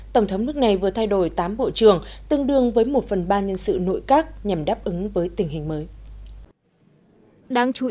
tổng thống nước này vừa thay đổi tám bộ trường tương đương với một phần ba nhân sự nội các nhằm đáp ứng với tình hình mới